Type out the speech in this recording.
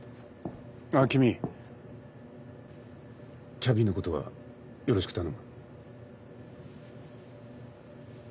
キャビンのことはよろしく頼む。